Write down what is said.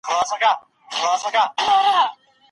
زه به درتلم .